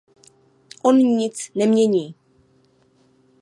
On nic nemění.